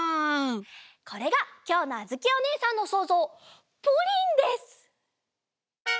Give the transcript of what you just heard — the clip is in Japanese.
これがきょうのあづきおねえさんのそうぞうプリンです！